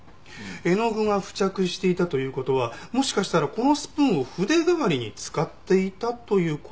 絵の具が付着していたという事はもしかしたらこのスプーンを筆代わりに使っていたという事でしょうか？